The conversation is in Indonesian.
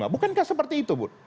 bukankah seperti itu bud